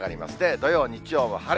土曜、日曜は晴れ。